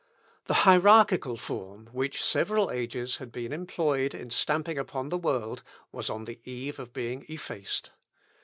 The hierarchical form, which several ages had been employed in stamping upon the world, was on the eve of being effaced.